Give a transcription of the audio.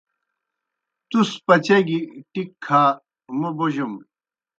تُس پچا گیْ ٹِکیْ کھہ موْ بوجَم۔